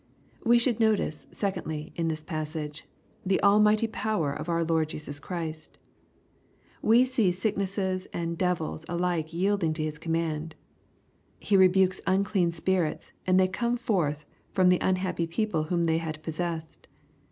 We should notice, secondly, in this passage, the almighty power of our Lord Jesus Christ. We see sicknesses and devils alike yielding to His command. He rebukes unclean spirits, and they come forth from the unhappy people whom they had possessed.